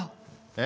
え？